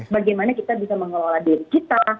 bagaimana kita bisa mengelola diri kita